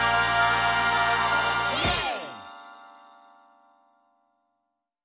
イエーイ！